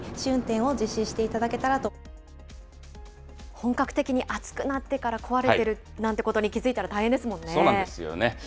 本格的に暑くなってから、壊れてるなんてことに気付いたら大そうなんですよね。